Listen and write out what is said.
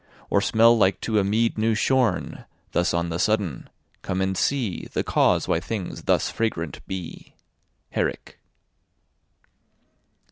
Or smell like to a meade new shorne, Thus on the sudden? Come and see The cause why things thus fragrant be. HERRICK.